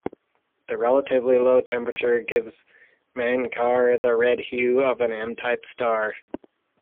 The relatively low temperature gives Menkar the red hue of an M-type star.